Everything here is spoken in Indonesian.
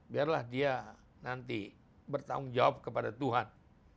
biarlah dia nanti bertanggung jawab kepada tuhan